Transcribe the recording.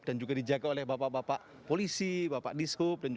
dan juga dijaga oleh bapak bapak polisi bapak diskup